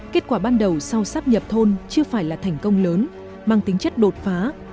kết quả ban đầu sau sắp nhập thôn chưa phải là thành công lớn mang tính chất đột phá